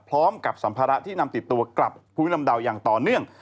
พร้อมกับสัมภาระที่นำติดตัวกลับภูมิลำเดาอย่างต่อเนื่อง